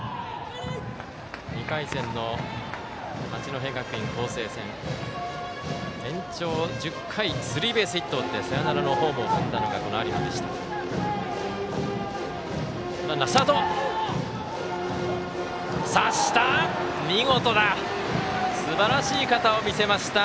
２回戦の八戸学院光星戦延長１０回スリーベースヒットを打ってサヨナラのホームを踏んだのが有馬でした。